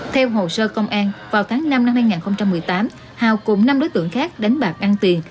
theo hồ sơ công an vào tháng năm năm hai nghìn một mươi tám hào cùng năm đối tượng khác đánh bạc ăn tiền